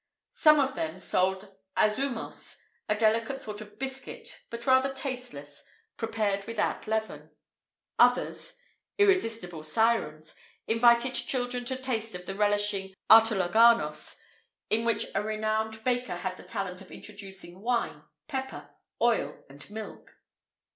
[IV 27] Some of them sold azumos, a delicate sort of biscuit, but rather tasteless, prepared without leaven;[IV 28] others irresistible syrens invited children to taste of the relishing artolaganos, in which a renowned baker had the talent of introducing wine, pepper, oil, and milk.